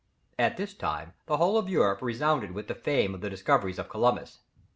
At this time the whole of Europe resounded with the fame of the discoveries of Columbus.